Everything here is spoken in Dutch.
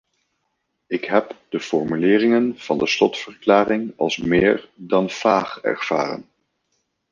Ik heb de formuleringen van de slotverklaring als meer dan vaag ervaren.